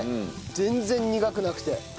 全然苦くなくて。